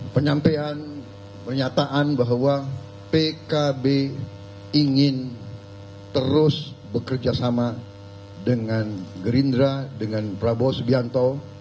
penyampaian pernyataan bahwa pkb ingin terus bekerja sama dengan gerindra dengan prabowo subianto